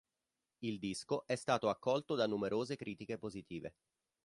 Il disco è stato accolto da numerose critiche positive.